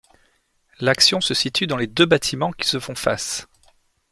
L'action se situe dans deux bâtiments qui se font face.